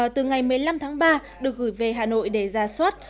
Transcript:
từ ngày một mươi năm tháng ba được gửi về hà nội để ra soát